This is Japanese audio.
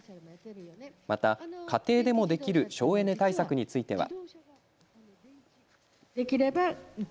また家庭でもできる省エネ対策については。